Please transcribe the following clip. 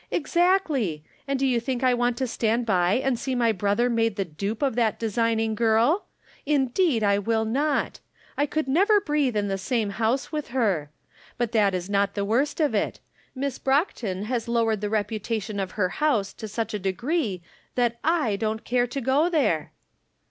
" Exactly ! And do you think I want to stand by and see my brother made the dupe of that de signing girl ? Indeed I will not ! I could never breathe in the same house with her. But that is not the worst of it : Miss Brockton has lowered the reputation of her house to such a degree that J don't care to go there."